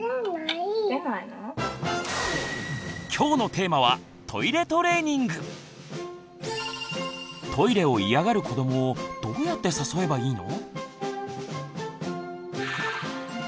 今日のテーマはトイレを嫌がる子どもをどうやって誘えばいいの？